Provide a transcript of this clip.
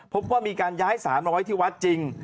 พบว่ามีการย้ายศาลมาไว้ที่วัดจริง